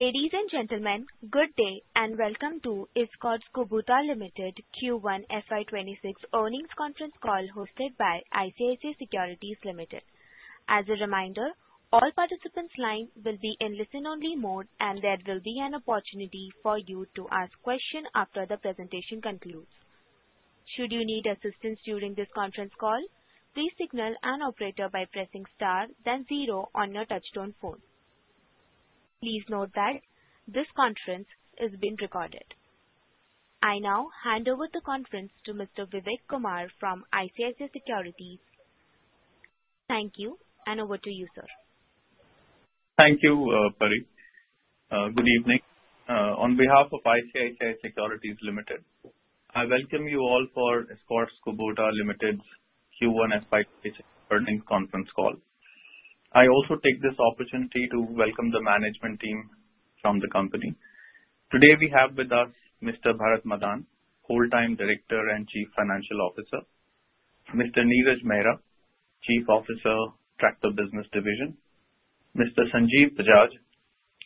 Ladies and gentlemen, good day and welcome to Escorts Kubota Limited Q1 FY 2026 Earnings Conference Call hosted by ICICI Securities Limited. As a reminder, all participants' lines will be in listen-only mode and there will be an opportunity for you to ask questions after the presentation concludes. Should you need assistance during this conference call, please signal an operator by pressing Star then zero on your touch-tone phone. Please note that this conference is being recorded. I now hand over the conference to Mr. Vivek Kumar from ICICI Securities. Thank you, and over to you, sir. Thank you, Pari. Good evening. On behalf of ICICI Securities Limited, I welcome you all for Escorts Kubota Limited Q1 FY 2024 Earnings Conference Call. I also take this opportunity to welcome the management team from the company today. We have with us Mr. Bharat Madan, Full Time Director and Chief Financial Officer, Mr. Neeraj Mehra, Chief Officer, Tractor Business Division, Mr. Sanjeev Bajaj,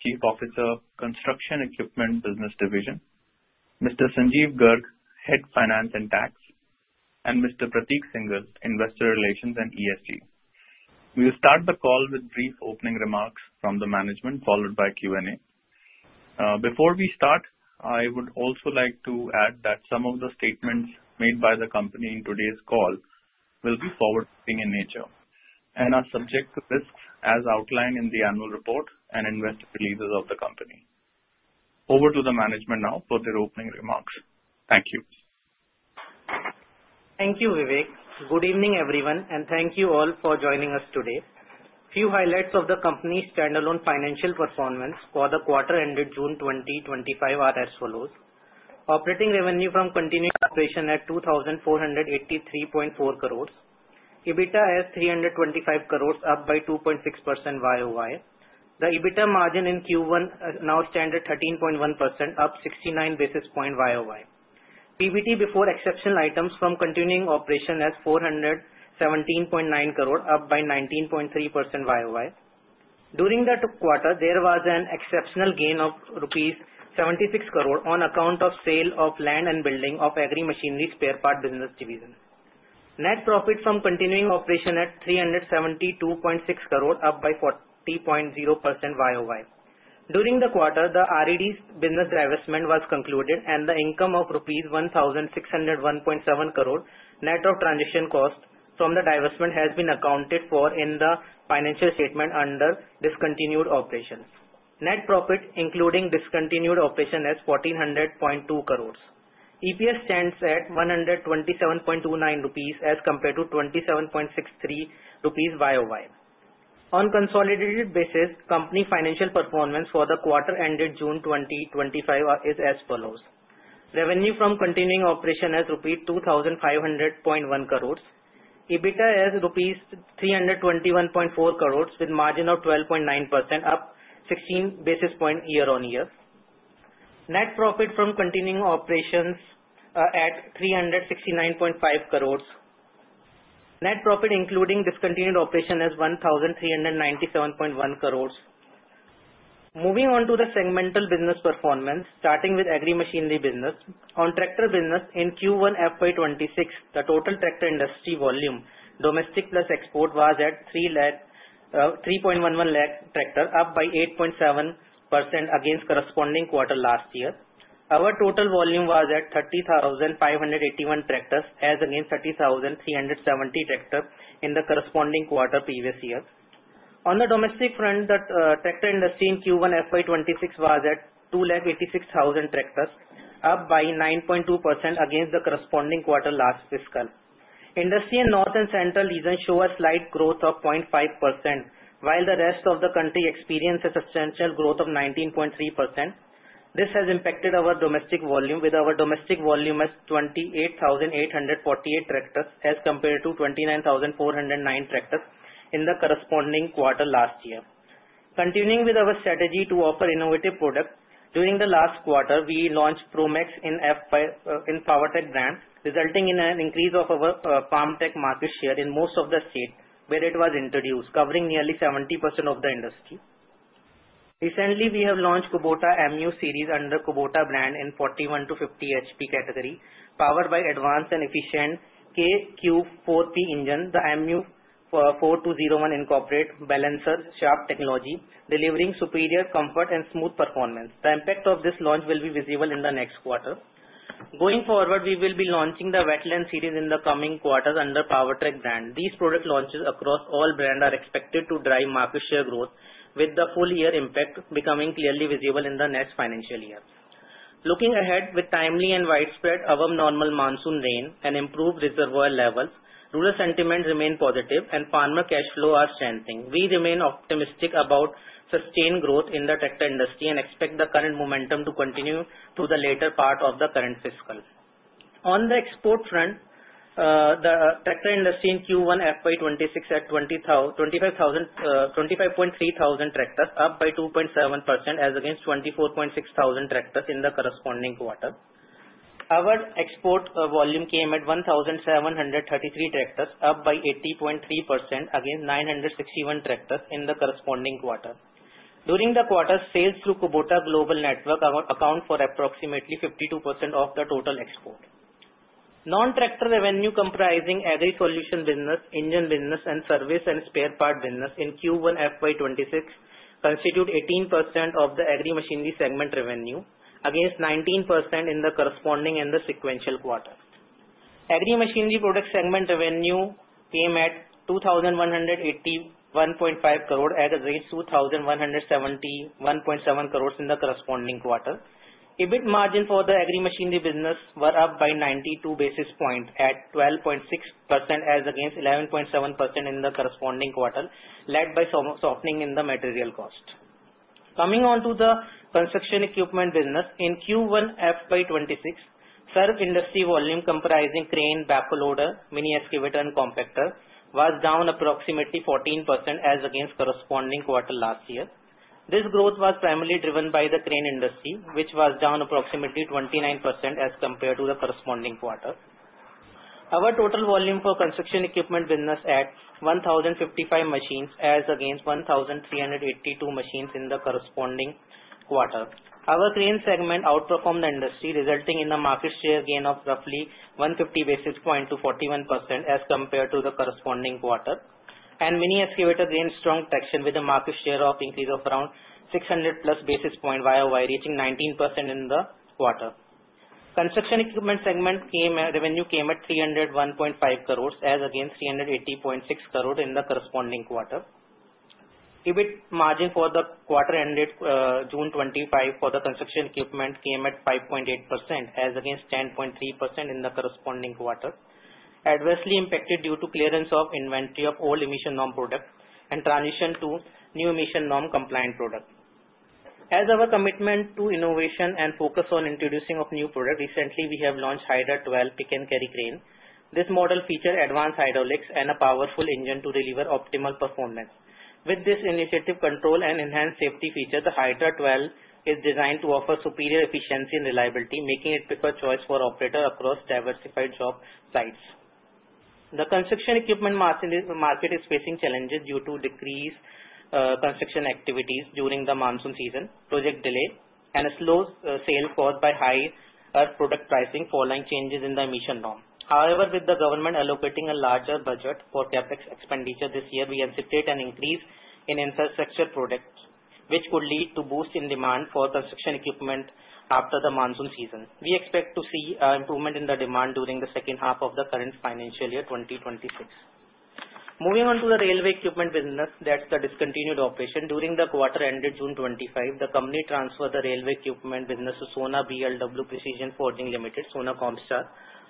Chief Officer, Construction Equipment Business Division, Mr. Sanjeev Garg, Head, Finance and Tax, and Mr. Prateek Singhal, Investor Relations and ESG. We'll start the call with brief opening remarks from the management followed by Q&A. Before we start, I would also like to add that some of the statements made by the company in today's call will be forward looking in nature and are subject to risks as outlined in the annual report and investor releases of the company. Over to the management now for their opening remarks. Thank you. Thank you, Vivek. Good evening everyone and thank you all for joining us today. Few highlights of the company's standalone financial performance for the quarter ended June 2025 are as follows. Operating revenue from continuing operation at 2,483.4 crore. EBITDA at 325 crore, up by 2.6% YoY. The EBITDA margin in Q1 now stands at 13.1%, up 69 basis points YoY. PBT before exceptional items from continuing operation at 417.9 crore, up by 19.3% YoY. During the quarter there was an exceptional gain of rupees 76 crore on account of sale of land and building of agricultural machinery spare part business division. Net profit from continuing operation at 372.6 crore, up by 40.0% YoY. During the quarter the railway equipment business divestment was concluded and the income of rupees 1,601.7 crore net of transaction cost from the divestment has been accounted for in the financial statement. Under discontinued operations, net profit including discontinued operation at 1,400.2 crore. EPS stands at 127.29 rupees as compared to 27.63 rupees YoY. On consolidated basis, Company financial performance for the quarter ended June 2025 is as follows. Revenue from continuing operation at rupees 2,500.1 crore. EBITDA at rupees 321.4 crore with margin of 12.9%, up 16 basis points Year on Year. Net profit from continuing operations at 369.5 crore. Net profit including discontinued operation at 1,397.1 crore. Moving on to the segmental business performance starting with agricultural machinery business. On tractor business in Q1 FY 2026 the total tractor industry volume domestic plus export was at 3.11 lakh tractors, up by 8.7% against corresponding quarter last year. Our total volume was at 30,581 tractors as against 30,370 tractors in the corresponding quarter previous year. On the domestic front, the tractor industry in Q1 FY 2026 was at 2.86 lakh tractors, up by 9.2% against the corresponding quarter last fiscal. Industry in North and Central region showed a slight growth of 0.5% while the rest of the country experienced a substantial growth of 19.3%. This has impacted our domestic volume with our domestic volume at 28,848 tractors as compared to 29,409 tractors in the corresponding quarter last year. Continuing with our strategy to offer innovative products during the last quarter, we launched Promax in F5 in Powertech brands resulting in an increase of our Farmtrac market share in most of the states where it was introduced covering nearly 70% of the industry. Recently we have launched Kubota MU series under Kubota brand in 41 HP-50 HP category. Powered by advanced and efficient KQ4P engine, the MU4201 incorporates balancer shaft technology delivering superior comfort and smooth performance. The impact of this launch will be visible in the next quarter. Going forward, we will be launching the Wetland series in the coming quarters under Powertrac brand. These product launches across all brands are expected to drive market share growth with the full year impact becoming clearly visible in the next financial year. Looking ahead, with timely and widespread above normal monsoon rain and improved reservoir levels, rural sentiment remains positive and farmer cash flows are strengthening. We remain optimistic about sustained growth in the tractor industry and expect the current momentum to continue to the later part of the current fiscal. On the export front, the tractor industry in Q1 FY 2026 at 25,300 tractors was up by 2.7% as against 24,600 tractors in the corresponding quarter. Our export volume came at 1,733 tractors, up by 80.3% against 961 tractors in the corresponding quarter. During the quarter, sales through Kubota Global Network accounted for approximately 52% of the total export. Non-tractor revenue comprising agri solution business, engine business, and service and spare part business in Q1 FY 2026 constituted 18% of the agri-machinery segment revenue against 19% in the corresponding and the sequential quarter. Agri-machinery product segment revenue came at 2,181.5 crore at a rate 2,171.7 crore in the corresponding quarter. EBIT margin for the agri-machinery business was up by 92 basis points at 12.6% as against 11.7% in the corresponding quarter led by softening in the material cost. Coming on to the construction equipment business, in Q1 FY 2026, served industry volume comprising crane, backloader, mini excavator, and compactor was down approximately 14% as against corresponding quarter last year. This growth was primarily driven by the crane industry which was down approximately 29% as compared to the corresponding quarter. Our total volume for construction equipment business was at 1,055 machines as against 1,382 machines in the corresponding quarter. Our grain segment outperformed the industry, resulting in a market share gain of roughly 150 basis points to 41% as compared to the corresponding quarter, and mini excavator gained strong traction with a market share increase of around 600+ basis points YoY, reaching 19% in the quarter. Construction equipment segment revenue came at 301.5 crore as against 380.6 crore in the corresponding quarter. EBIT margin for the quarter ended June 2025 for the construction equipment came at 5.8% as against 10.3% in the corresponding quarter. This was adversely impacted due to clearance of inventory of old emission norm product and transition to new emission norm compliant product as our commitment to innovation and focus on introducing new product. Recently, we have launched Hydra 12 pick and carry crane. This model features advanced hydraulics and a powerful engine to deliver optimal performance. With this initiative, control and enhanced safety features, the Hydra 12 is designed to offer superior efficiency and reliability, making it a pick of choice for operators across diversified job sites. The construction equipment market is facing challenges due to decreased construction activities during the monsoon season. Project delays and a slow sale caused by high per product pricing for line changes in the emission norm. However, with the government allocating a larger budget for CapEx expenditure this year, we anticipate an increase in infrastructure projects which could lead to a boost in demand for construction equipment after the monsoon season. We expect to see improvement in the demand during the second half of the current financial year 2026. Moving on to the railway equipment business, the discontinued operation during the quarter ended June 2025, the company transferred the railway equipment business to Sona BLW Precision Forgings Limited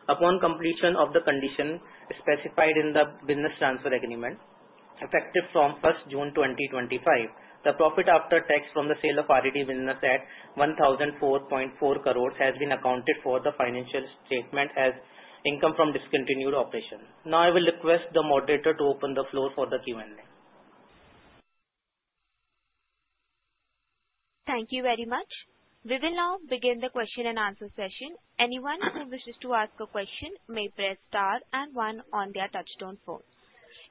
upon completion of the conditions specified in the business transfer agreement effective from 1st June, 2025. The profit after tax from the sale of railway equipment business at 1,004.4 crore has been accounted for in the financial statement as income from discontinued operation. Now I will request the moderator to open the floor for the Q&A. Thank you very much. We will now begin the question-and-answer session. Anyone who wishes to ask a question may press Star and one on their touchstone phone.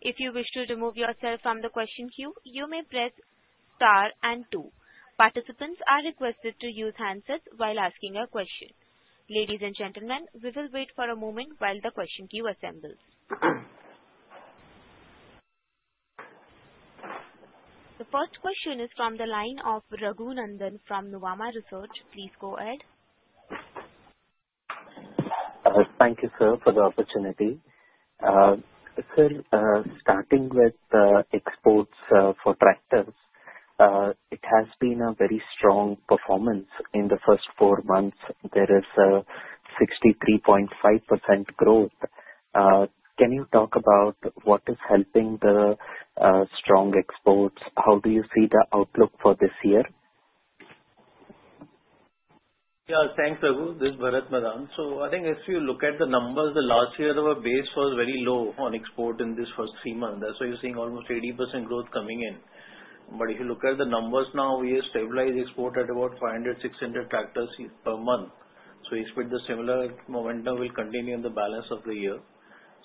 If you wish to remove yourself from the question queue, you may press Star and two. Participants are requested to use handsets while asking a question. Ladies and gentlemen, we will wait for a moment while the question queue assembles. The first question is from the line of Raghunandhan NI from Nuvama Research. Please go ahead. Thank you sir for the opportunity. Sir, starting with exports for tractors, it has been a very strong performance in the first four months. There is a 63.5% growth. Can you talk about what is helping the strong exports? How do you see the outlook for this year? Yeah, thanks. This is Bharat Madan. If you look at the numbers, the last year our base was very low on export in this first three months. That's why you're seeing almost 80% growth coming in. If you look at the numbers now, we have stabilized export at about 500-600 tractors per month. Expect the similar momentum will continue in the balance of the year.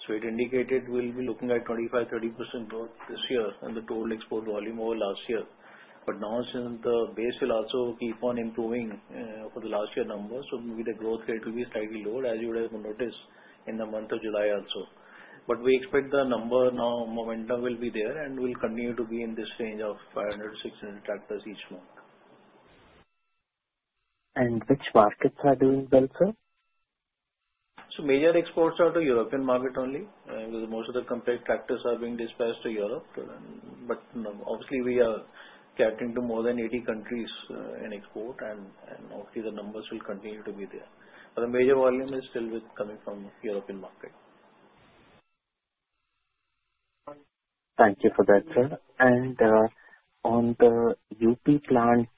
It indicated we'll be looking at 25%-30% growth this year in the total export volume over last year. Now, since the base will also keep on improving for the last year numbers, maybe the growth rate will be slightly lower as you notice in the month of July also. We expect the number now, momentum will be there and will continue to be in this range of 500-600 tractors each month. Which markets are doing well? Sir, major exports are the European market only because most of the complex factors are being dispatched to Europe. Obviously, we are catering to more than 80 countries in export and hopefully the numbers will continue to be there. The major volume is still coming from the European market. Thank you for that, sir. There are on the UP plant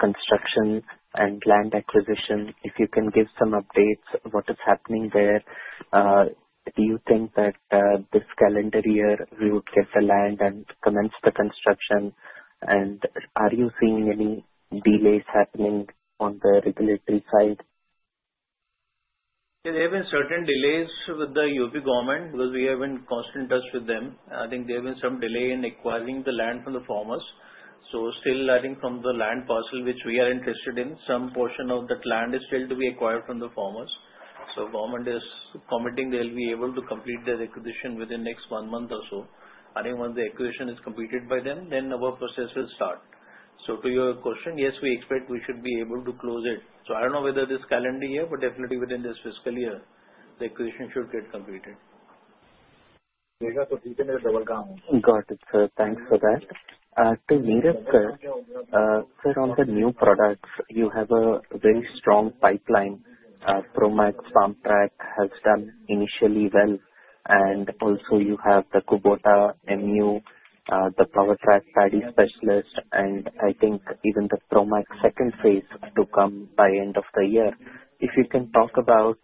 construction and land acquisition, If you can give some updates, what is happening there, do you think that this calendar year we would get the land and commence the construction? Are you seeing any delays happening on the regulatory side? There have been certain delays with the UP government because we have been in constant touch with them. I think there was some delay in acquiring the land from the farmers. Still, from the land parcel which we are interested in, some portion of that land is still to be acquired from the farmers. The government is committing they'll be able to complete their acquisition within the next one month or so. I think once the acquisition is completed by them, then our process will start. To your question, yes, we expect we should be able to close it. I don't know whether this calendar year, but definitely within this fiscal year the acquisition should get completed. Got it, sir. Thanks for that. Sir. On the new products you have a very strong pipeline. Promax Farmtrac has done initially well and also you have the Kubota MU, the Powertrac paddy specialist and I think even the Promax second phase to come by end of the year. If you can talk about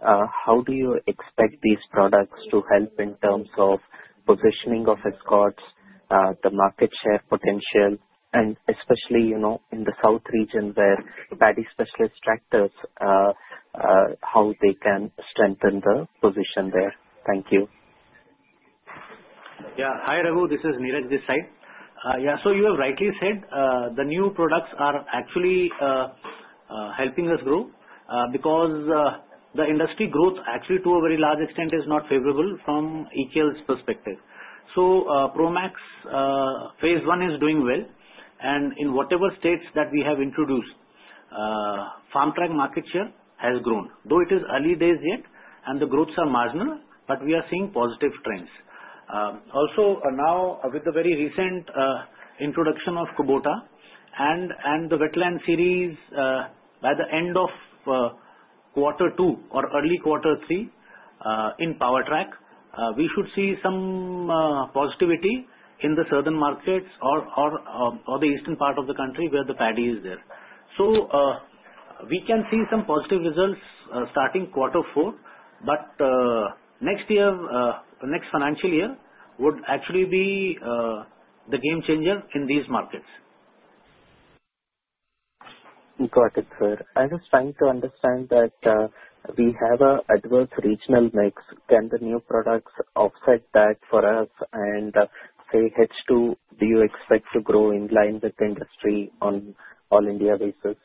how do you expect these products to help in terms of positioning of Escorts, the market share potential and especially you know in the south region where the paddy specialist tractors, how they can strengthen the position there. Thank you. Yeah, hi Raghu, this is Neeraj this side. You have rightly said the new products are actually helping us grow because the industry growth actually to a very large extent is not favorable from Escorts Kubota Limited's perspective. Promax Phase I is doing well, and in whatever states that we have introduced Farmtrac, market share has grown, though it is early days yet and the growths are marginal and we are seeing positive trends. Also now with the very recent introduction of Kubota and the Wetland series, by the end of quarter two or early quarter three in Powertrac, we should see some positivity in the southern markets or the eastern part of the country where the paddy is there. We can see some positive results starting quarter four. Next year, next financial year would actually be the game changer in these markets. Got it, sir. I was trying to understand that we have an adverse regional mix. Can the new products offset that for us, and in H2, do you expect to grow in line with industry on an all-India basis?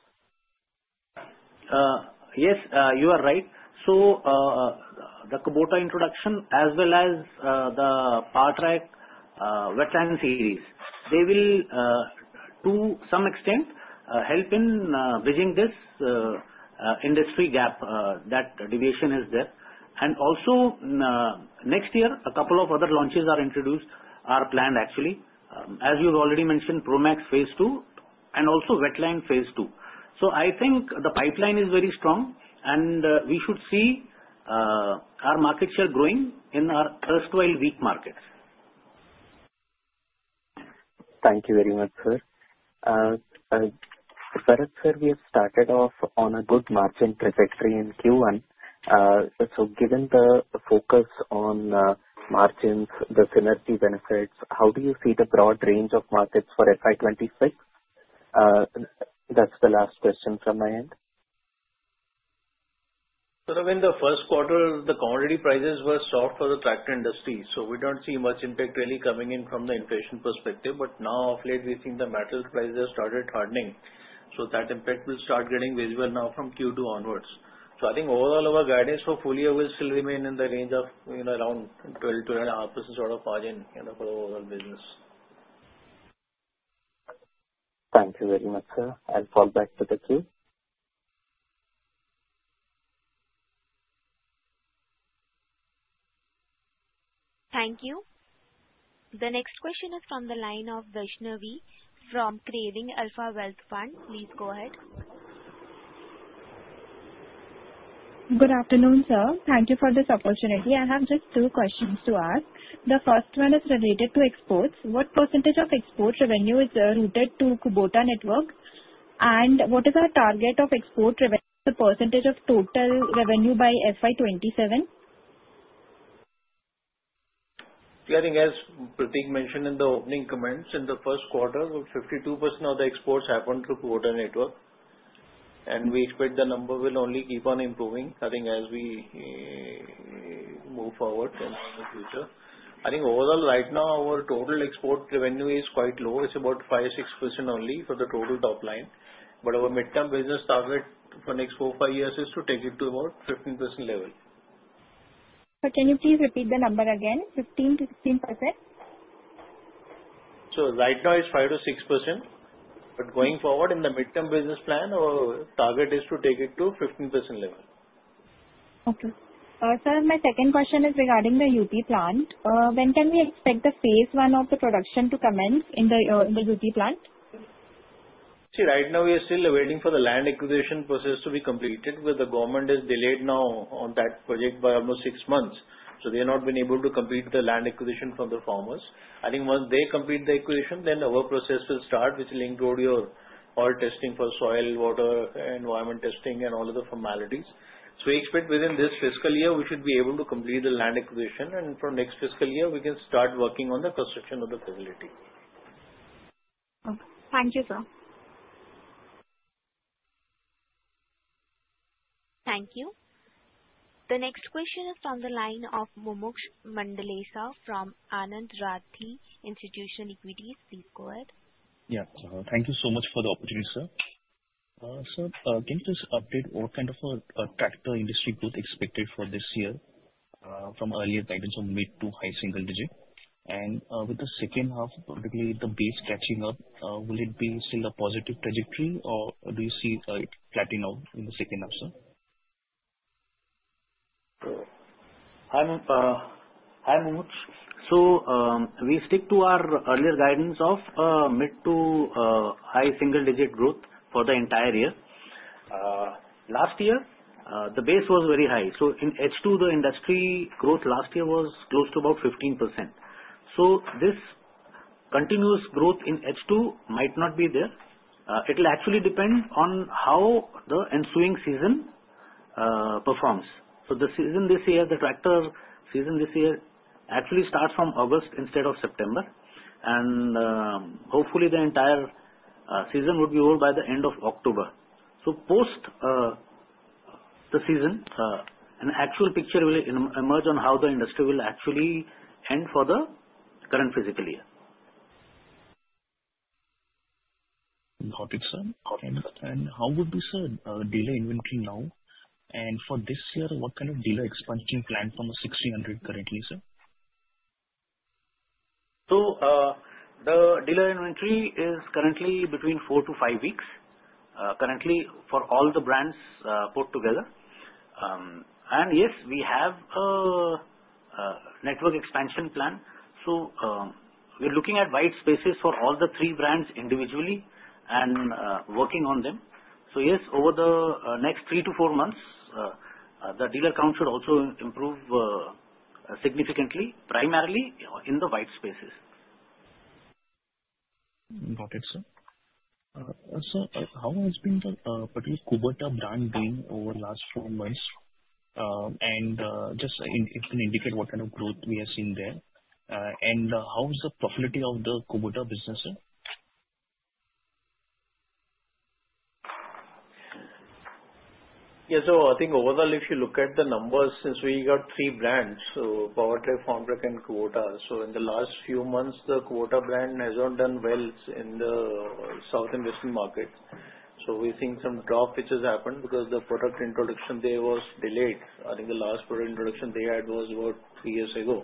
Yes, you are right. The Kubota introduction as well as the Pathrak wetland series will to some extent help in bridging this industry gap, that deviation is there. Next year a couple of other launches are planned, actually, as you've already mentioned, Promax Phase II and also Wetland Phase II. I think the pipeline is very strong and we should see our market share growing in our erstwhile weak markets. Thank you very much, sir. Sir, we have started off on a good margin trajectory in Q1. Given the focus on margins, the synergy benefits, how do you see the broad range of markets for FY 2026? That's the last question from my end. In the first quarter the commodity prices were soft for the tractor industry. We don't see much impact really coming in from the inflation perspective. Now lately we're seeing the metal prices started hardening. That impact will start getting visible now from Q2 onwards. I think overall our guidance for full year will still remain in the range of, you know, around 22.5% sort of margin for overall business. Thank you very much, sir. I'll fall back to the queue. Thank you. The next question is from the line of Vaishnavi from Craving Alpha Wealth Fund. Please go ahead. Good afternoon, sir. Thank you for this opportunity. I have just two questions to ask. The first one is related to exports. What percentage of export revenue is earned to Kubota Network? What is our target of export? The percentage of total revenue by FY 2027. As Prateek mentioned in the opening comments, in the first quarter 52% of the exports happened through the Kubota Network. We expect the number will only keep on improving as we move forward into the future. Overall, right now our total export revenue is quite low. It's about 5%-6% only for the total top line. Our midterm business target for the next four to five years is to take it to about the 15% level. Can you please repeat the number again? 15%, 16%? Right now it's 5%-6%, but going forward in the midterm business plan our target is to take it to 15% level. Okay sir, my second question is regarding the UP plant. When can we expect the Phase I of the production to commence in the UP plant? See, right now we are still waiting for the land acquisition process to be completed with the government it is delayed now on that project by almost six months. They have not been able to complete the land acquisition from the farmers. I think once they complete the acquisition then our process will start, which will include all testing for soil, water, environment testing, and all of the formalities. We expect within this fiscal year we should be able to complete the land acquisition. From next fiscal year we can start working on the construction of the facility. Okay, thank you sir. Thank you. The next question is from the line of Mumuksh Mandalesa from Anand Rathi Institutional Equities. Please go ahead. Yeah, thank you so much for the opportunity, sir. Sir, can you just update what kind of a tactical industry growth expected for this year from earlier guidance from mid to high single digit, and with the second half particularly the base catching up, will it be still a positive trajectory or do you see it flattening out in the second half, sir? Hi. We stick to our earlier guidance of mid to high single digit growth for the entire year. Last year the base was very high. In H2 the industry growth last year was close to about 15%. This continuous growth in H2 might not be there. It will actually depend on how the ensuing season performs. The tractor season this year actually starts from August instead of September, and hopefully the entire season would be over by the end of October. Post the season, an actual picture will emerge on how the industry will actually end for the current fiscal year. Got it, sir. How would this delay inventory now and for this year? What kind of dealer expansion plan from 1,600 currently, sir? The dealer inventory is currently between four to five weeks for all the brands put together. Yes, we have a network expansion plan. We're looking at white spaces for all the three brands individually and working on them. Over the next three to four months, the dealer count should also improve significantly, primarily in the white spaces. Got it, sir. How has been the particular Kubot Brand doing over last four months? If you indicate what kind of growth we have seen there. How is the profitability of the Kubota business? Yeah, I think overall if you look at the numbers since we got three brands, so Powertrain, Farmtrac, and Kubota. In the last few months, the Kubota brand has not done well in the south and western markets. We're seeing some drop which has happened because the product introduction there was delayed. I think the last product introduction they had was about three years ago.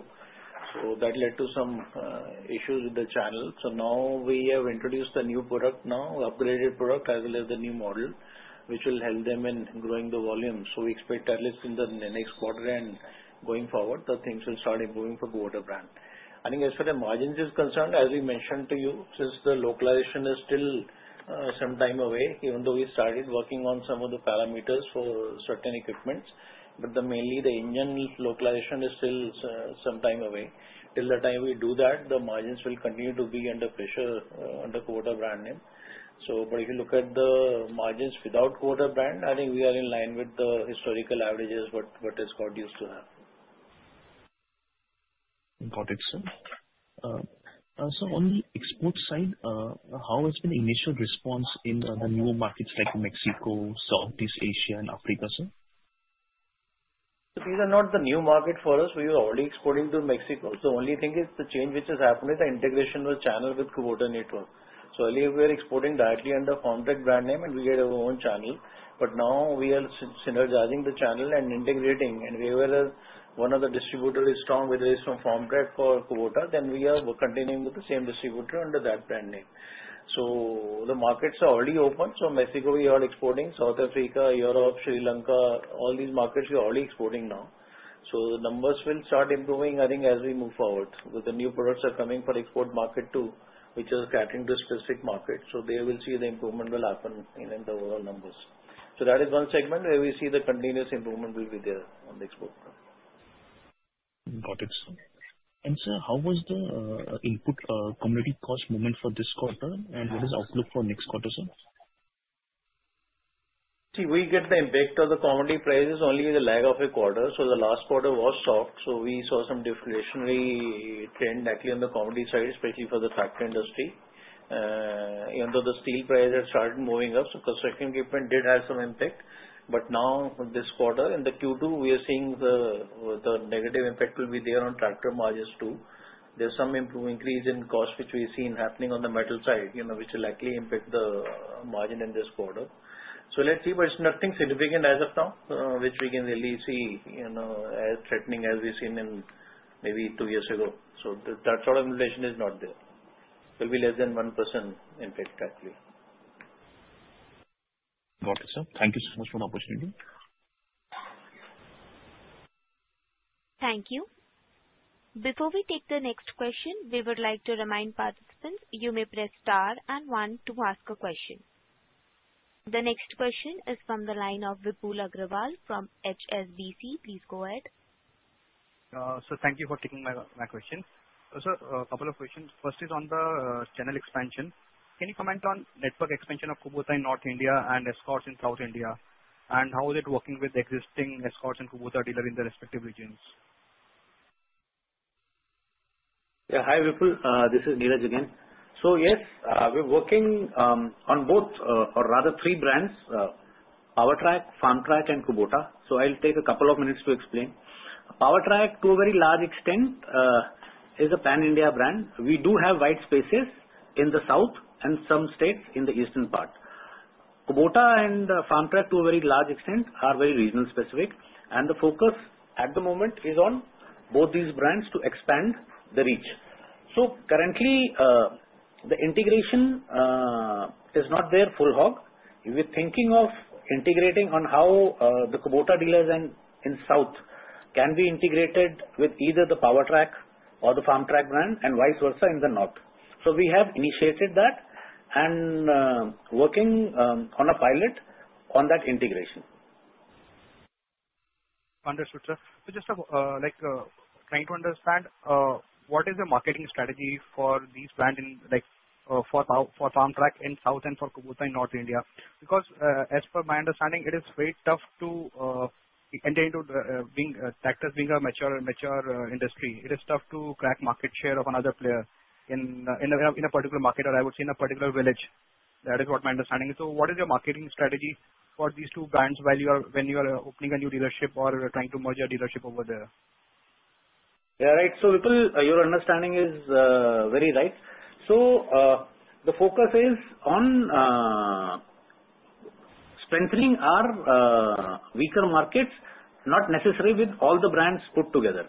That led to some issues with the channel. Now we have introduced the new product, now upgraded product as well as the new model which will help them in growing the volume. We expect at least in the next quarter and going forward the things. Will start improving for go-to brand. I think as far as margins is concerned, as we mentioned to you, since the localization is still some time away, even though we started working on some of the parameters for certain equipment, mainly the engine localization is still some time away. Till the time we do that, the margins will continue to be under pressure under Kubota brand name. If you look at the margins without Kubota brand, I think we are in line with the historical averages. What is COD used to have? Got it sir. On the export side, how has been the initial response in the new markets like Mexico, Southeast Asia, and Africa? Sir, these are not the new markets for us. We were already exporting to Mexico. The only thing is the change which has happened is the integration of the channel with Kubota Network. Earlier we were exporting directly under Farmtrac brand name and we had our own channel. Now we are synergizing the channel and integrating, and wherever one of the distributors is strong, whether it's from Farmtrac or Kubota, then we are continuing with the same distributor under that brand name. The markets are already open. From Mexico we are exporting to South Africa, Europe, Sri Lanka. All these markets we're already exporting now. The numbers will start improving, I think, as we move forward with the new products coming for export market too, which is catering to specific markets. They will see the improvement will happen in the overall numbers. That is one segment where we see the continuous improvement will be there on the export. Got it. Sir, how was the input commodity cost movement for this quarter and what is the outlook for next quarter? Sir, we get the impact of the commodity prices only with the lag of a quarter. The last quarter was soft, so we saw some deflationary trend actually on the commodity side, especially for the factory industry, even though the steel price has started moving up. Construction equipment did have some impact. Now this quarter in Q2 we are seeing the negative impact will be there on tractor margins too. There's some increase in cost which we've seen happening on the metal side, which will likely impact the margin in this quarter. Let's see. It's nothing significant as of now which we can really see as threatening as we saw maybe two years ago. That sort of information is not there, will be less than 1% in fact actually. Got it sir. Thank you so much for the opportunity. Thank you. Before we take the next question, we would like to remind participants you may press Star and one to ask a question. The next question is from the line of Vipul Agrawal from HSBC. Please go ahead. Thank you for taking my question. A couple of questions. First is on the channel expansion. Can you comment on network expansion of Kubota in North India and Escorts in South India, and how is it working with existing Escorts and Kubota dealer in the respective regions? Hi Vipul, this is Neeraj again. Yes, we're working on both, or rather three brands: Power Track, Farmtrac, and Kubota. I'll take a couple of minutes to explain. Power Track, to a very large extent, is a pan India brand. We do have white spaces in the south and some states in the eastern part. Kubota and Farmtrac, to a very large extent, are very region specific, and the focus at the moment is on both these brands to expand the reach. Currently, the integration is not there full hog; we're thinking of integrating on how the Kubota dealers in south can be integrated with either the Power Track or the Farmtrac brand, and vice versa in the north. We have initiated that and are working on a pilot on that integration. Understood, sir. Just trying to understand what is the marketing strategy for these brands, like for Farmtrac in South and for Kubota in North India. Because as per my understanding, it is very tough to enter into tractors, being a mature industry. It is tough to crack market share of another player in a particular market or, I would say, in a particular village. That is what my understanding is. What is your marketing strategy for these two brands when you are opening a new dealership or trying to merge your dealership over there Your understanding is very right. The focus is on strengthening our weaker markets, not necessarily with all the brands put together.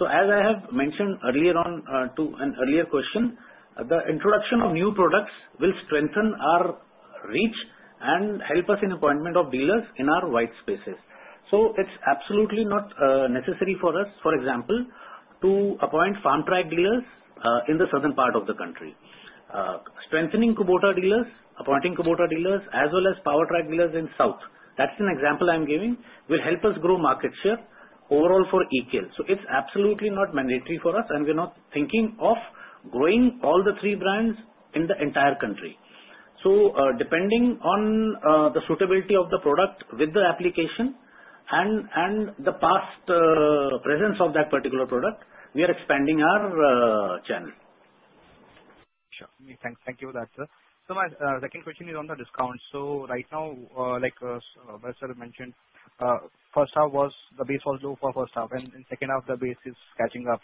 As I have mentioned earlier in response to an earlier question, the introduction of new products will strengthen our reach and help us in appointment of dealers in our white spaces. It's absolutely not necessary for us, for example, to appoint Farmtrac dealers in the southern part of the country; strengthening Kubota dealers, appointing Kubota dealers as well as Powertrac dealers in the south, that's an example I'm giving, will help us grow market share overall for EKL. It's absolutely not mandatory for us, and we're not thinking of growing all the three brands in the entire country. Depending on the suitability of the product with the application and the past presence of that particular product, we are expanding our channel. Sure, thanks. Thank you for that, sir. My second question is on the discount. Right now, like mentioned, first half was the base was low for first half, and in second half the base is catching up.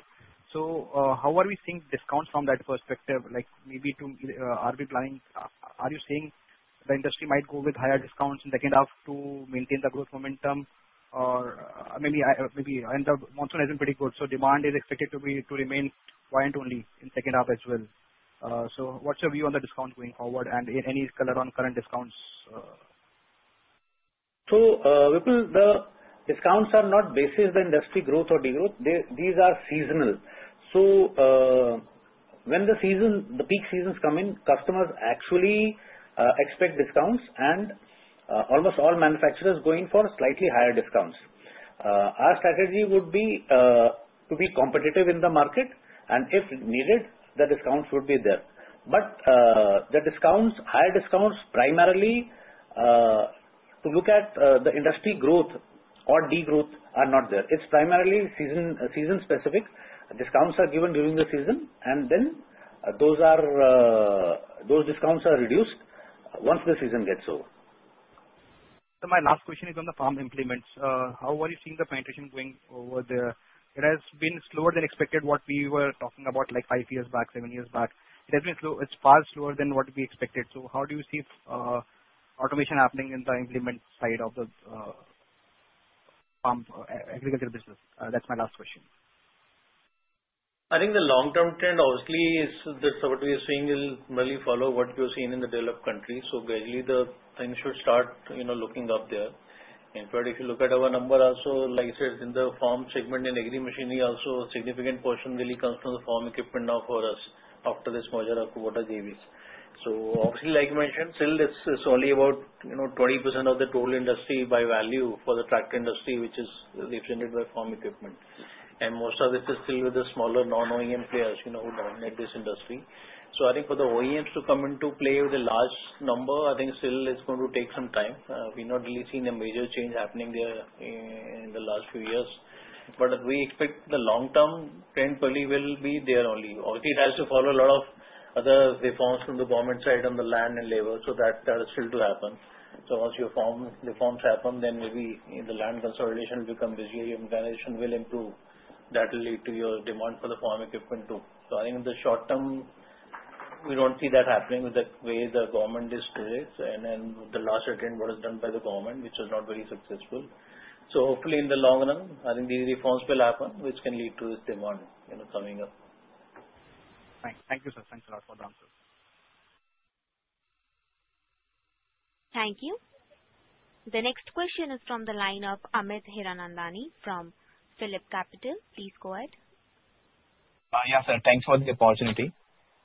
How are we seeing discount from that perspective? Are you seeing the industry might go with higher discounts to maintain the growth momentum, or maybe monsoon has been pretty good? Demand is expected to remain quiet only in second half as well. What's your view on the discount going forward, and any color on current discounts? The discounts are not basis the industry growth or degrowth. These are seasonal. When the peak seasons come in, customers actually expect discounts and almost all manufacturers going for slightly higher discounts. Our strategy would be to be competitive in the market and if needed the discounts would be there. The discounts, higher discounts primarily to look at the industry growth or degrowth are not there. It's primarily season specific discounts are given during the season and then those discounts are reduced once the season gets over. My last question is on the farm implements. How are you seeing the penetration going over there? It has been slower than expected. What we were talking about like five years back, seven years back. It has been slow. It's far slower than what we expected. How do you see automation happening in the implement side of the pump aggregator business? That's my last question. I think the long-term trend obviously is that what we are seeing will merely follow what you're seeing in the developed countries. Gradually, things should start, you know, looking up there. In fact, if you look at our number also, like I said, in the farm segment in agricultural machinery also, a significant portion really comes from the farm equipment. Now for us, after this merger of JVs, obviously, like you mentioned, SIL is only about, you know, 20% of the total industry by value for the tractor industry, which is represented by farm equipment, and most of this is still with the smaller non-OEM players, you know, who dominate this industry. I think for the OEMs to come into play with a large number, I think still it's going to take some time. We've not really seen a major change happening there in the last few years, but we expect the long-term trend probably will be there only. Obviously, it has to follow a lot of other reforms from the government side on the land and labor, so that is still to happen. Once the reforms happen, then maybe the land consolidation will become, the goal will improve. That will lead to your demand for the farm equipment too. I think in the short-term, we don't see that happening with the way the government is today, and the last attempt, what is done by the government, which was not very successful. Hopefully, in the long run, I think the reforms will happen, which can lead to demand coming up. Thank you, sir. Thanks a lot for the answer. Thank you. The next question is from the line of Amit Hiranandani from Philip Capital. Please go ahead. Yes sir. Thanks for the opportunity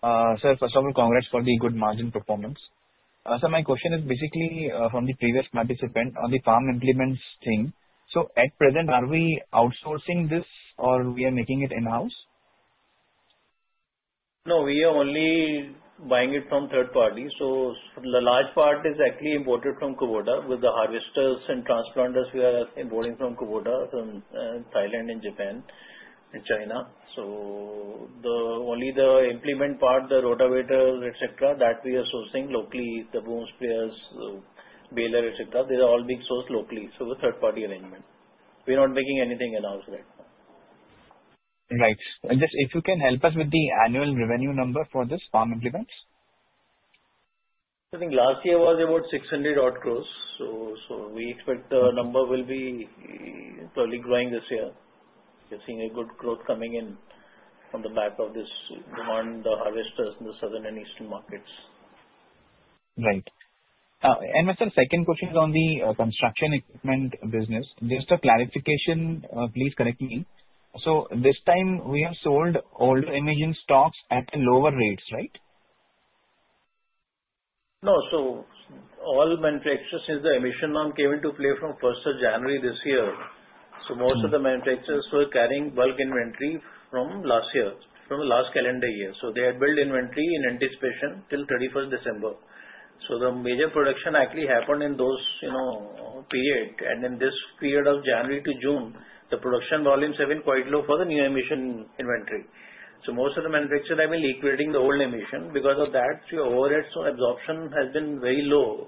sir. First of all, congrats for the good margin performance. My question is basically from the previous participant on the farm implements thing. At present, are we outsourcing this or are we making it in house? No, we are only buying it from third party. The large part is actually imported from Kubota, with the harvesters and transplanters we are importing from Kubota from Thailand and Japan, and China. Only the implement part, the rotovator, etc., that we are sourcing locally, the boom sprayers, baler, etc., they are all being sourced locally. The third party arrangement, we're not making anything at all for it. Right. If you can help us with the annual revenue number for this farm implements. I think last year was about 600 crore, so we expect the number will be probably growing this year, seeing a good growth coming in on the back of this demand. The harvesters in the southern and eastern markets. Right. Second question is on the construction equipment business. Just a clarification, please correct me. This time we have sold old emission stocks at lower rates, right? No. All manufacturers, since the emission norm came into play from January this year, were carrying bulk inventory from last year, from the last calendar year. They had built inventory in anticipation till 31st December. The major production actually happened in that period. In this period of January to June, the production volumes have been quite low for the new emission inventory. Most of the manufacturers have been equating the old emission because of that your overhead absorption has been very low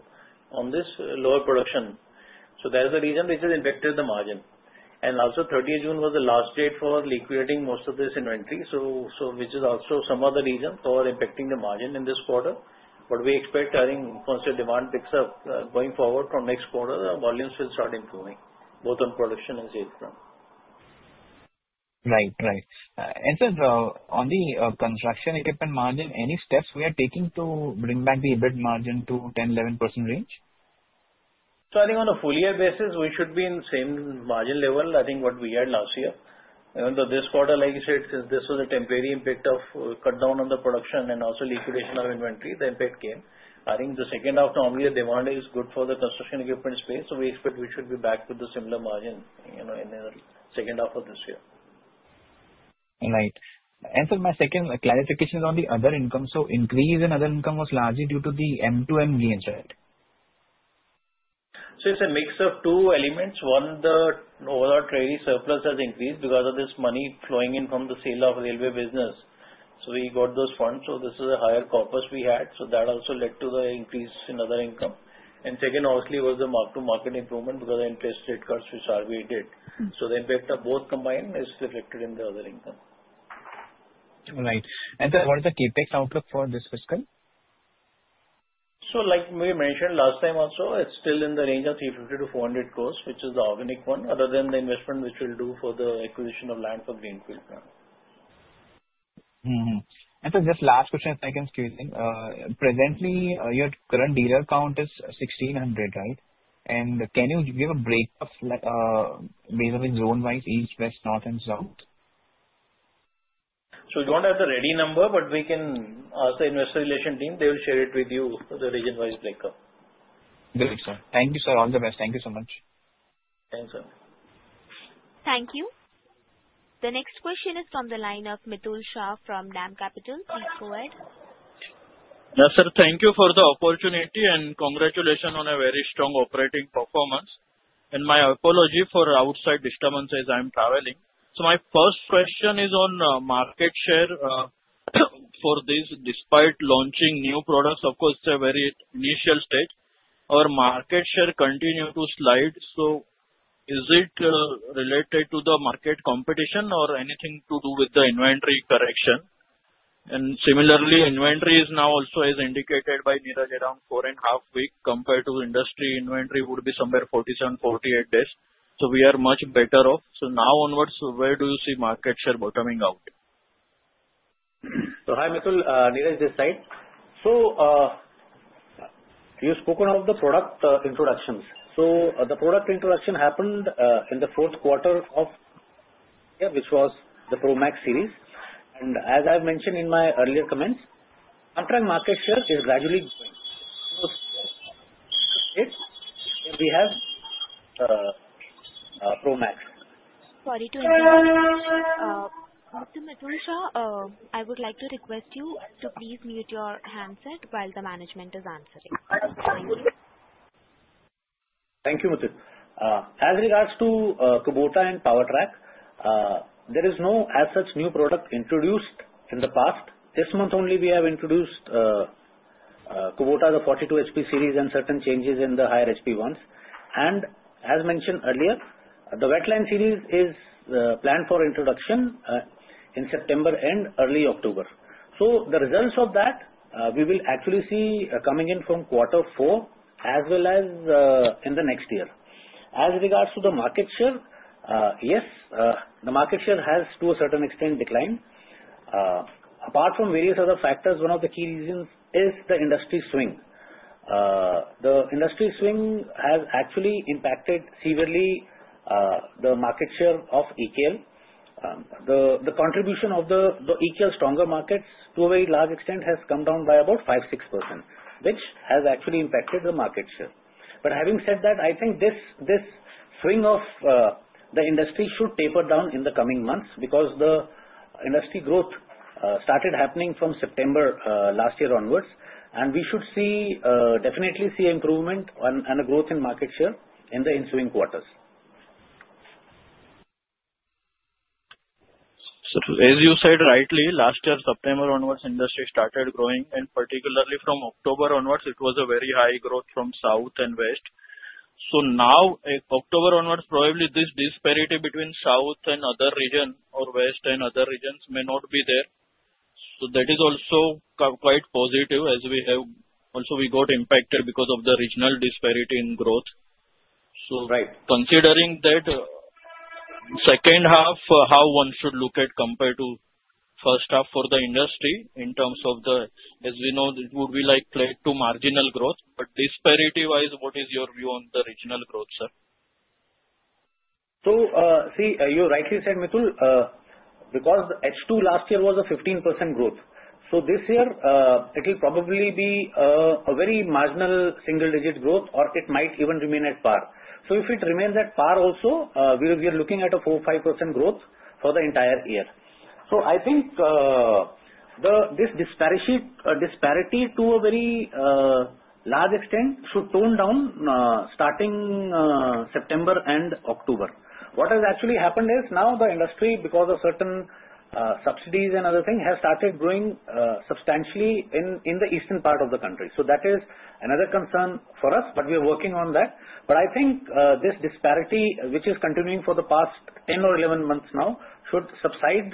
on this lower production. That is the reason which has impacted the margin. Also, June 30 was the last date for liquidating most of this inventory, which is also another reason for impacting the margin in this quarter. We expect, once your demand picks up going forward from next quarter, volumes will start improving both on production and sales. Right, right. On the construction equipment margin, any steps we are taking to bring back the EBITDA margin to 10%-11% range. I think on a full year basis we should be in the same margin level as what we had last year. This quarter, like you said, since this was a temporary impact of cut down on the production and also liquidation of inventory, then paid came. I think the second half, normally the demand is good for the construction equipment space, so we expect we should be back to the similar margin in the second half of this year. Right. For my second clarification on the other income, the increase in other income was largely due to the M2M gains, right. It's a mix of two elements. One, the overall trading surplus has increased because of this money flowing in from the sale of railway business, so we got those funds, so this is a higher corpus we had. That also led to the increase in other income, and secondly was the mark to market improvement because the interest rate cut we did. The impact of both combined is reflected in the other income. Right. What is the CapEx outlook for this fiscal? Like we mentioned last time also, it's still in the range of 350-400 crore, which is the organic one, other than the investment which we'll do for the acquisition of land for the greenfield. Thank you for this last question. Presently your current dealer count is 1,600, right? Can you give a break of. Like basically zone wise east, west, north and south? We don't have the ready number, but we can ask the Investor Relations team. They will share it with you region wise. Thank you sir, all the best. Thank you so much. Thank you sir. Thank you. The next question is from the line of Mitul Shah from DAM Capital. Please go ahead. Yes sir, thank you for the opportunity and congratulations on a very strong operating performance, and my apology for outside disturbances, I am traveling. My first question is on market share for this. Despite launching new products, of course a very initial state, our market share continues to slide. Is it related to the market competition or anything to do with the inventory correction? Similarly, inventory is now also as indicated by nearly around four and a half weeks, compared to industry inventory which would be somewhere 47 days, 48 days, so we are much better off. Now onwards, where do you see market share bottoming out? Hi, Mithul. Neeraj is this side. You spoken of the product introductions. The product introduction happened in the fourth quarter of, yeah, which was the Promax series, and as I mentioned in my earlier comments, I'm trying market share they're gradually going smoke. Yes, we have Promax. Sorry to interrupt. I would like to request you to please mute your handset while the management is answering. Thank you. As regards to Kubota and Power Track, there is no as such new product introduced in the past. This month only we have introduced Kubota, the 42 HP series, and certain changes in the higher HP ones. As mentioned earlier, the Wetland series is planned for introduction in September and early October. The results of that we will actually see coming in from quarter four as well as in the next year. As regards to the market share, yes, the market share has to a certain extent declined. Apart from various other factors, one of the key reasons is the industry swing. The industry swing has actually impacted severely the market share of EKL. The contribution of the EKL stronger markets to a very large extent has come. Down by about 5%, 6% which has actually impacted the market share. Having said that, I think this string of the industry should taper down in the coming months because the industry growth started happening from September last year onwards, and we should definitely see improvement and a growth in market share in the ensuing quarters. As you said rightly, last year, September onwards, industry started growing and particularly from October onwards, it was a very high growth from south and west. Now, October onwards, probably this disparity between south and other region or west and other regions may not be there. That is also quite positive as we also got impacted because of the regional disparity in growth. Considering that, second half, how one should look at compared to first half for the industry in terms of the, as we know, it would be like flat to marginal growth. Disparity wise, what is your view on the regional growth, sir? You rightly said, Mitul, because H2 last year was a 15% growth. This year it will probably be a very marginal single-digit growth or it might even remain at par. If it remains at par also, we are looking at a 4%-5% growth for the entire year. I think this disparity, disparity to a very large extent, should tone down starting September and October. What has actually happened is now the industry, because of certain subsidies and other things, has started growing substantially in the eastern part of the country. That is another concern for us, but we are working on that. I think this disparity, which is continuing for the past 10 or 11 months now, should subside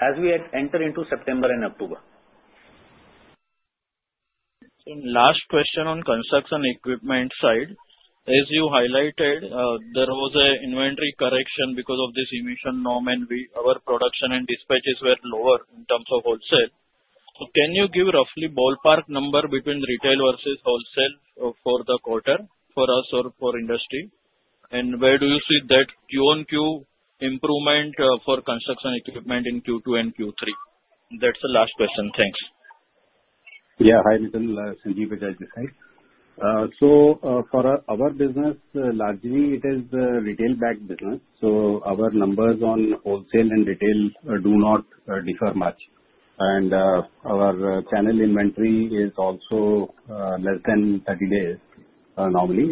as we enter into September and October. Last question on construction equipment side, as you highlighted, there was an inventory correction because of this emission norm and our production and dispatches were lower. In terms of wholesale, can you give roughly ballpark number between retail versus wholesale for the quarter for us or for industry? Where do you see that Q-on-Q improvement for construction equipment in Q2 and Q3? That's the last question. Thanks. Yeah. Hi, this side. For our business largely it is the retail backed business. Our numbers on wholesale and retail do not differ much. Our channel inventory is also less than 30 days normally.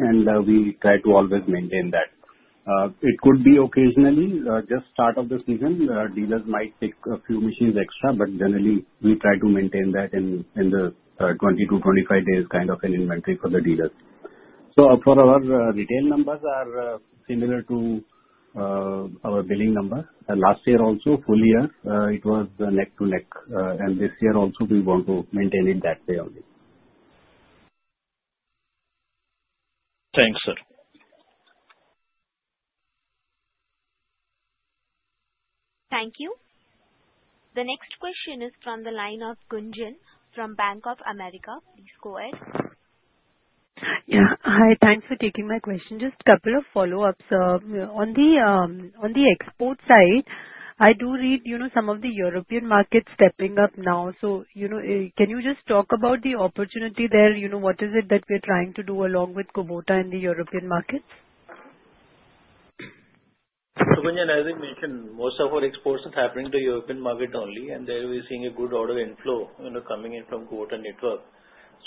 We try to always maintain that. It could be occasionally just start of the season, dealers might pick a few machines extra. Generally we try to maintain that in the 20-25 days kind of an inventory for the dealer. For our retail numbers are similar to our billing number. Last year also full year it was neck to neck and this year also we want to maintain it that way only. Thanks sir. Thank you. The next question is from the line of Gunjan from Bank of America. Please go ahead. Hi, thanks for taking my question. Just a couple of follow ups. On the export side, I do read, you know, some of the European markets stepping up now. Can you just talk about the opportunity there? You know, what is it that we're trying to do along with Kubota in the European markets? As we mentioned, most of our exports is happening to European market only. There we're seeing a good order inflow coming in from Kubota Network.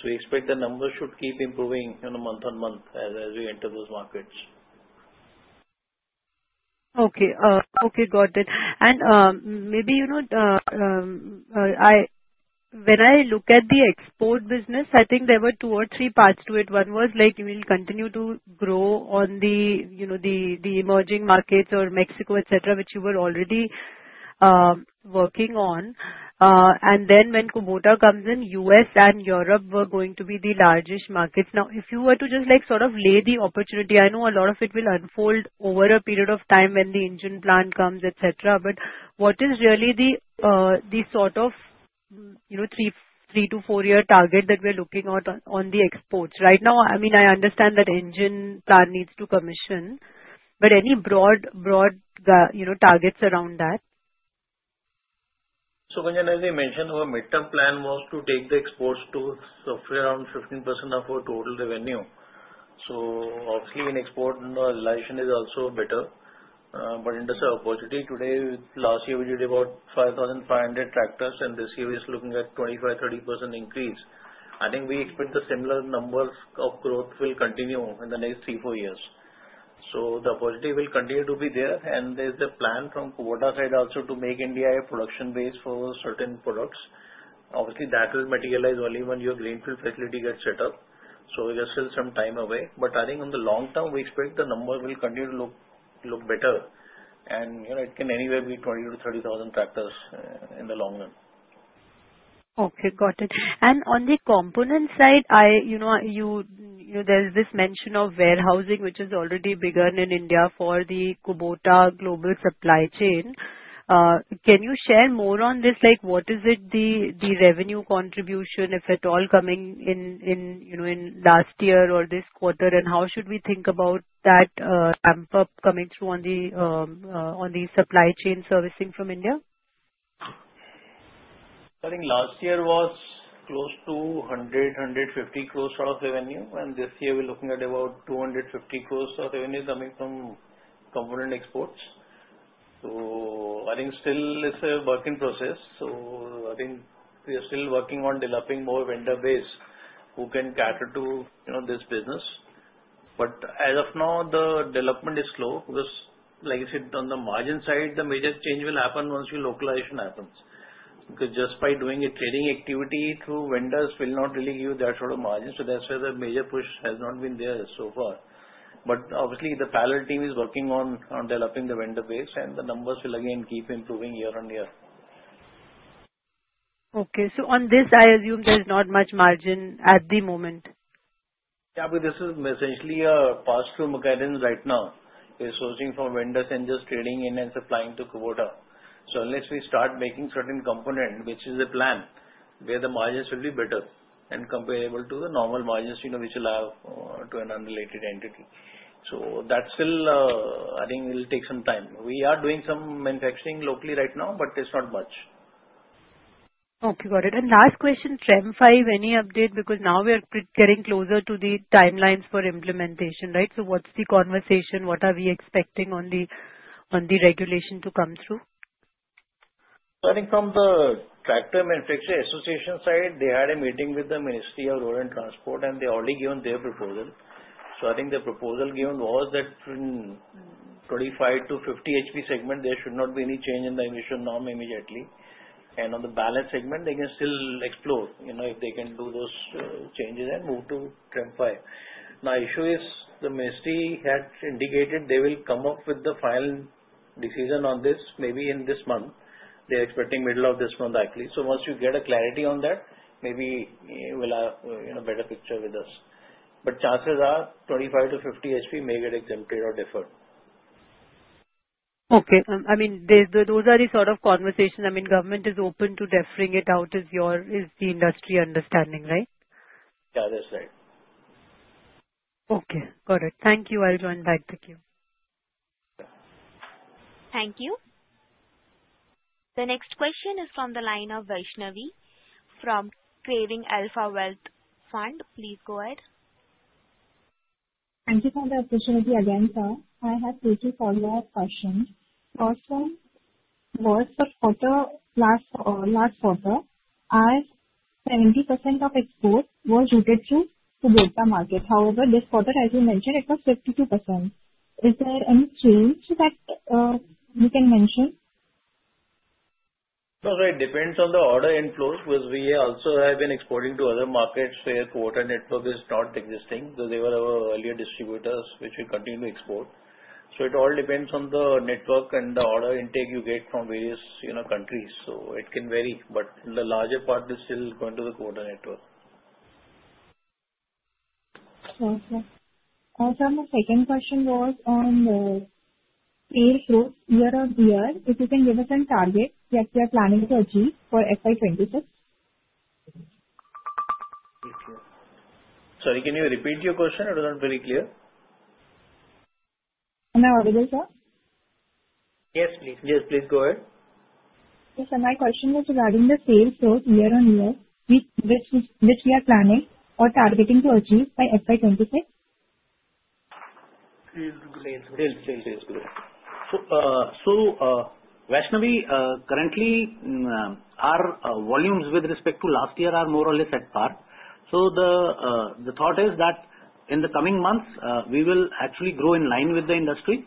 We expect the numbers should keep improving month on month as we enter those markets. Okay, got it. Maybe, you know, when I look at the export business, I think there were two or three parts to it. One was like we'll continue to grow on the, you know, the emerging markets or Mexico, etc., which you were already working on. When Kubota comes in, U.S. and Europe were going to be the largest markets. Now if you were to just sort of lay the opportunity, I know a lot of it will unfold over a period of time when the engine plant comes, etc., but what is really the sort of, you know, three to four year target that we're looking at on the exports right now? I mean I understand that engine tar needs to commission but any broad, broad, you know, targets around that. As I mentioned, our midterm plan was to take the exports to somewhere around 15% of our total revenue. Obviously, in export license is also better. In the third city today, last year we did about 5,500 tractors and this year is looking at 25%-30% increase. I think we expect the similar numbers of growth will continue in the next three, four years. The opportunity will continue to be there. There's a plan from Kubota side also to make India a production base for certain products. Obviously, that will materialize only when your greenfield facility gets set up. There's still some time away. I think in thelong-term we expect the number will continue to look better. It can anywhere be 20,000-30,000 tractors in the long run. Okay, got it. On the component side, there's this mention of warehousing which has already begun in India for the Kubota Global Network supply chain. Can you share more on this? What is the revenue contribution, if at all, coming in last year or this quarter? How should we think about that ramp up coming through on the supply chain servicing from India? I think last year was close to 100 crore, 150 crore revenue, and this year we're looking at about 250 crore of revenue coming from component exports. I think still it's a work in process. We are still working on developing more vendor base who can cater to, you know, this business. As of now, the development is slow because, like I said, on the margin side, the major change will happen once your localization happens because just by doing a trading activity through vendors will not really give that sort of margin. That's where the major push has not been there so far. Obviously, the parallel team is working on developing the vendor base, and the numbers will again keep improving year on year. Okay, on this I assume there's not much margin at the moment. This is essentially a pass through mechanism right now is sourcing from vendors and just trading in and supplying to Kubota. Unless we start making certain components, which is a plan where the margins will be better and comparable to the normal margins, you know, which will have to be to an unrelated entity. That still, I think it'll take some time. We are doing some manufacturing locally right now, but it's not much. Okay, got it. Last question. Trem V, any update? Because now we are getting closer to the timelines for implementation, right? What's the conversation? What are we expecting on the regulation to come through? I think from the tractor manufacturer association side, they had a meeting with the Ministry of Road and Transport and they already given their proposal. I think the proposal given was that from 25 HP-50 HP segment there should not be any change in the emission norm immediately, and on the ballot segment they can still explore if they can do those changes and move to Trem V. My issue is the Ministry had indicated they will come up with the final decision on this maybe in this month. They're expecting middle of this month at least. Once you get a clarity on that, maybe we'll have a better picture with us. Chances are 25 HP-50 HP may get exempted or deferred. Okay. I mean those are the sort of conversations. I mean government is open to deferring it out. Is the industry understanding, right? Yeah, that's right. Okay, got it. Thank you. I'll join back. Thank you. Thank you. The next question is from the line of Vaishnavi from Craving Alpha Wealth Fund. Please go ahead. Thank you for the opportunity again, sir, I have pretty polar questions. First one was of course last quarter as 70% of export was routed through to break the market. However, this quarter as you mentioned it was 52%. Is there any change that you can mention? No, it depends on the order inflows because we also have been exporting to other markets where Kubota Global Network is not existing. They were earlier distributed, which will continue to export. It all depends on the network and the order intake you get from various, you know, countries. It can vary. In the larger part, this is still going to the Kubota Network. Second question was on sales year over year. If you can give us some target that you're planning to achieve for FY 2026. Sorry, can you repeat your question? It was not very clear. Am I audible, sir? Yes, please. Yes, please go ahead. My question is regarding the sales. Source year on year, which we are planning or targeting to achieve by FY 2026. Vaishnavi, currently our volumes with respect to last year are more or less at par. So the thought is that in the coming months we will actually grow in line with the industry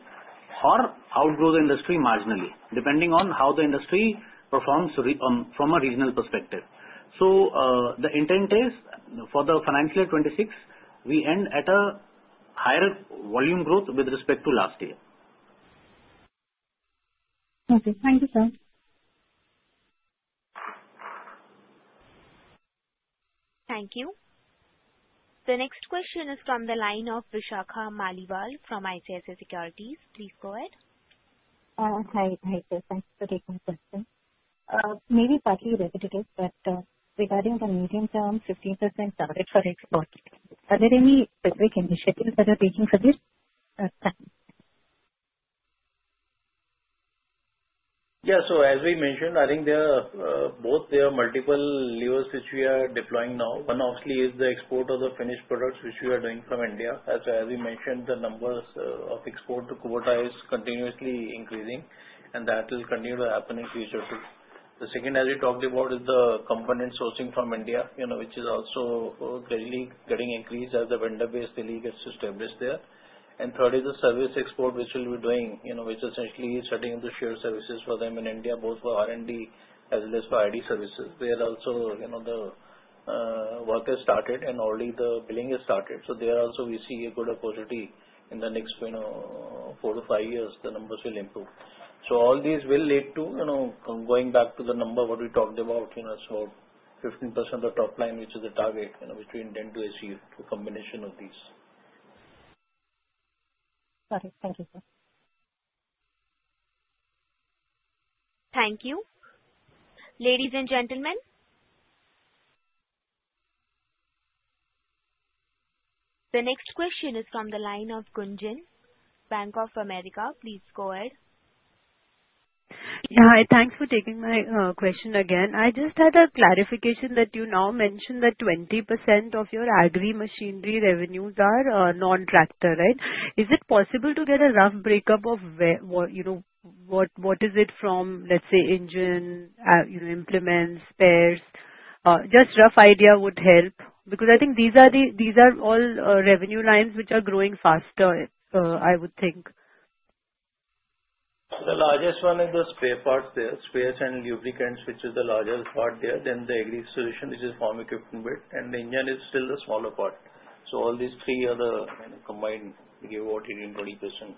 or outgrow the industry marginally, depending on how the industry performs from a regional perspective. The intent is for the financial year 2026 we end at a higher volume growth with respect to last year. Okay. Thank you, sir. Thank you. The next question is from the line of Vishakha Maliwal from ICICI Securities Limited. Please go ahead. Hi..Thank you for taking the question. Partly repetitive, but regarding the medium term 15% target for export are there any specific initiatives that are baking for this? Okay, yeah, so as we mentioned, I think there are both. There are multiple levers which we are deploying now. One obviously is the export of the finished products which we are doing from India. As we mentioned, the numbers of export to Kubota is continuously increasing, and that will continue to happen in future too. The second, as we talked about, is the component sourcing from India, you know, which is also greatly getting increased as the vendor base is established there. Third is a service export which we'll be doing, you know, which essentially is setting up the shared services for them in India both for R&D as well as for IT services. They are also, you know, the work has started and already the billing has started. There also we see a good opportunity in the next, you know, four to five years the numbers will improve. All these will lead to, you know, going back to the number what we talked about, you know, so 15% of top line, which is the target which we intend to achieve through combination of these. Okay, thank you sir. Thank you. Ladies and gentlemen, the next question is from the line of Gunjan, Bank of America. Please go ahead. Thanks for taking my question again. I just had a clarification that you now mentioned that 20% of your agri-machinery revenues are non tractor, right. Is it possible to get a rough breakup of what is it from, let's say, engine, implements, pairs. Just rough idea would help because I think these are all revenue lines which are growing faster, I would think. The largest one is the spare parts, their space, and lubricants, which is the largest part there. The aggregate solution, which is form equipped in bit, and the engine is still the smaller part. All these three are the kind of combined to give what in 20%.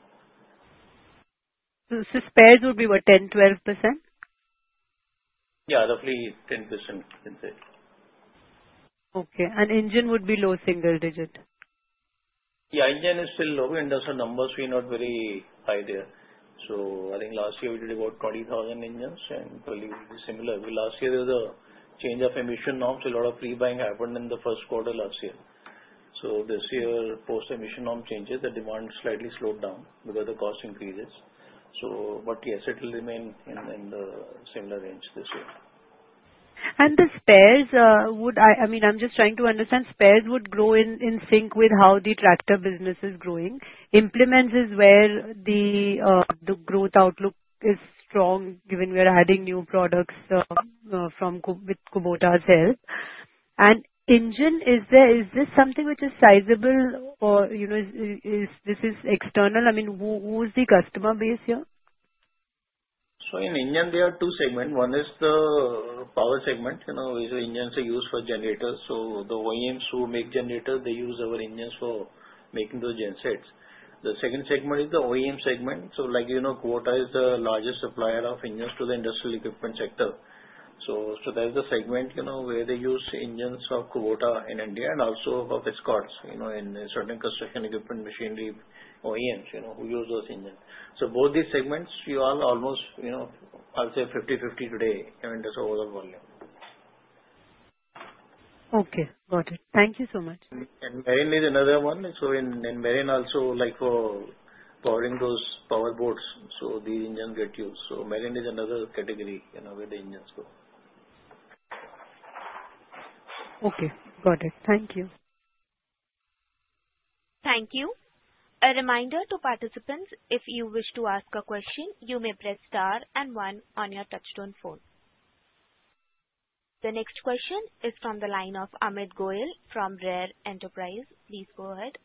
Spares would be what, 10%, 12%? Yeah, roughly 10%. Okay, engine would be low single-digit. Yeah, engine is still low. Industrial numbers were not very high there. I think last year we did about 20,000 engines and probably will be similar. Last year there was a change of emission norms. A lot of pre buying happened in the first quarter last year. This year post emission norm changes the demand slightly slowed down because the cost increases. Yes, it will remain in The similar range this year and the spares would. I mean I'm just trying to understand, spares would grow in sync with how the tractor business is growing. Implements is where the growth outlook is strong given we're adding new products with Kubota's help, and engine is there. Is this something which is sizable or is this external? I mean, who's the customer base here? In engine there are two segments. One is the power segment. You know these engines are used for generators. The OEMs who make generators use our engines for making those gensets. The second segment is the OEM segment. Like you know Kubota is the largest supplier of engines to the industrial equipment sector. There is a segment where they use engines of Kubota in India and also of Escorts in certain construction equipment machinery OEMs. We use those engines. Both these segments are almost, I'll say, 50/50 today, I mean just over volume. Okay, got it. Thank you so much. Marine is another one. In marine also, like powering those power boats, these engines get used. Marine is another category where the engines go. Okay, got it. Thank you. Thank you. A reminder to participants, if you wish to ask a question, you may press Star and one on your touchstone phone. The next question is from the line of Amit Goel from Rare Enterprise. Please go ahead.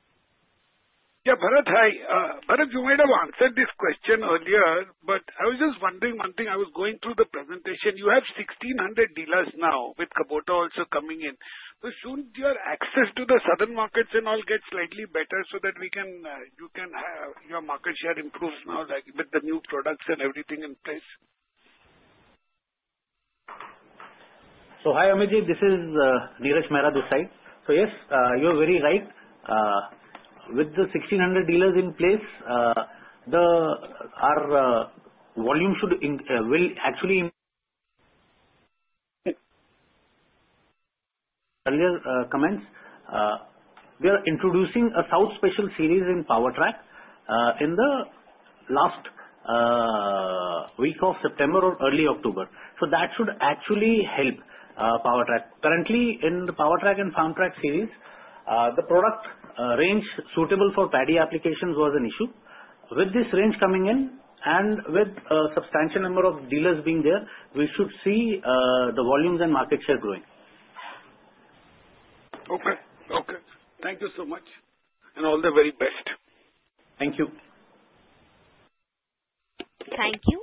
Yeah, Bharat. Hi Bharat. You might have answered this question earlier, but I was just wondering one thing. I was going through the presentation. You have 1,600 dealers now with Kubota also coming in. Shouldn't your access to the southern markets and all get slightly better so that we can have your market share improves now like with the new products and everything in place. So. Hi Amitji, this is Neeraj Mehra. Dusai. Yes, you're very right. With the 1,600 dealers in place, our volume should actually match earlier comments. We are introducing a South special series in Powertrac in the last week of September or early October. That should actually help Powertrac. Currently, in the Powertrac and Soundtrack series, the product range suitable for paddy applications was an issue. With this range coming in and with a substantial number of dealers being there, we should see the volumes and market share growing. Okay, thank you so much and all the very best. Thank you. Thank you,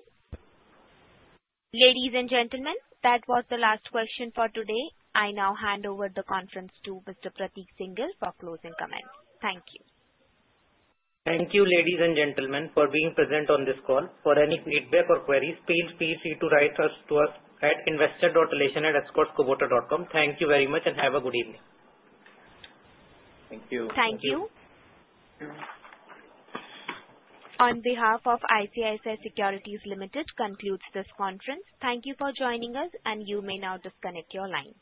ladies and gentlemen. That was the last question for today. I now hand over the conference to Mr. Prateek Singhal for closing comments. Thank you. Thank you, ladies and gentlemen, for being present on this call. For any feedback or queries, feel free to write to us at investor.relation@escortskubota.com. Thank you very much and have a good evening. Thank you. On behalf of ICICI Securities Limited, this concludes this conference. Thank you for joining us. You may now disconnect your line.